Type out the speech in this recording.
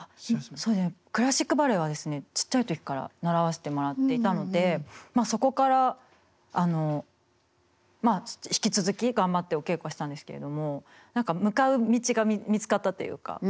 そうですねクラシックバレエはですねちっちゃい時から習わせてもらっていたのでまあそこから引き続き頑張ってお稽古したんですけれども何か向かう道が見つかったっていうか。